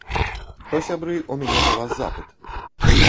То, сябры, у мяне да вас запыт.